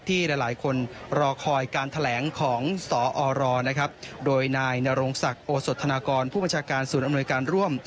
หลายคนรอคอยการแถลงของสอรนะครับโดยนายนรงศักดิ์โอสธนากรผู้บัญชาการศูนย์อำนวยการร่วม